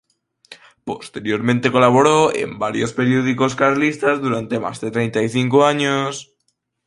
Posteriormente colaboró en varios periódicos carlistas durante más de treinta y cinco años.